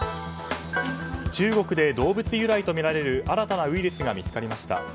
中国で動物由来とみられる新たなウイルスが見つかりました。